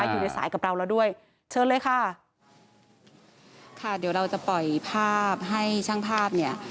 อยู่ในสายกับเราแล้วด้วยเชิญเลยค่ะค่ะเดี๋ยวเราจะปล่อยภาพให้ช่างภาพเนี่ย